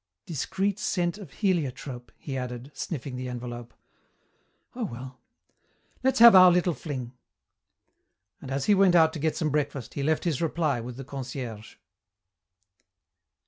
"Discreet scent of heliotrope," he added, sniffing the envelope. "Oh, well, let's have our little fling." And as he went out to get some breakfast he left his reply with the concierge.